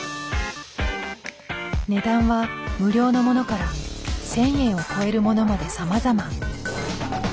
値段は無料のものから１，０００円を超えるものまでさまざま。